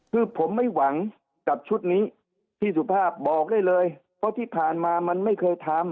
คือผมไม่หวังกับชุดนี้พี่สุภาพบอกได้เลยเพราะที่ผ่านมามันไม่เคยทำ